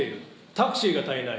タクシーが足りない。